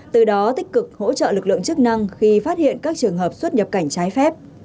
từ đó tích cực hỗ trợ lực lượng chức năng khi phát hiện các trường hợp xuất nhập cảnh trái phép